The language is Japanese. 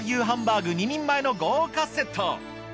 ハンバーグ２人前の豪華セット！